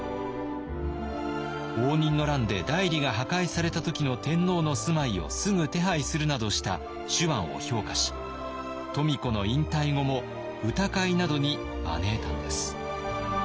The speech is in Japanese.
応仁の乱で内裏が破壊された時の天皇の住まいをすぐ手配するなどした手腕を評価し富子の引退後も歌会などに招いたんです。